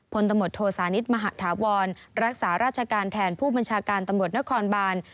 พลตำรวจโทสานิทมหาธาวรรักษาราชการแทนผู้บัญชาการตำรวจนครบาน